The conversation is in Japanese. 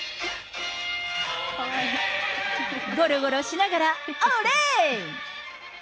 ごろごろしながらオーレ！